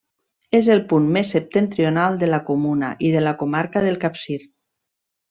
És el punt més septentrional de la comuna i de la comarca del Capcir.